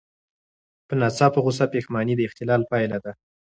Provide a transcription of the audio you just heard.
په ناڅاپه غوسه کې پښېماني د اختلال پایله ده.